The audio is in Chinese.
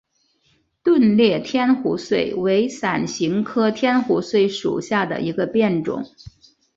钝裂天胡荽为伞形科天胡荽属下的一个变种。